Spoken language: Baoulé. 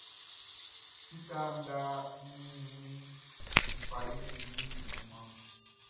Sika nga n ɲɛnnin iʼn, n fa yoli min junmanʼn.